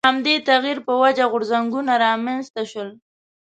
د همدې تغییر په وجه غورځنګونه رامنځته شول.